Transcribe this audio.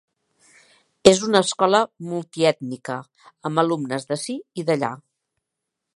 És una escola multiètnica, amb alumnes d'ací i d'allà.